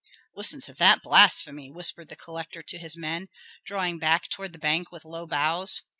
"Listen to that blasphemy!" whispered the collector to his men, drawing back toward the bank with low bows.